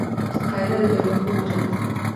قاعده د تېروتنو مخه نیسي.